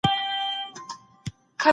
سم نیت ژوند نه ځنډوي.